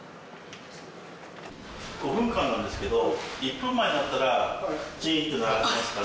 ５分間なんですけど１分前になったらチーンと鳴らしますから。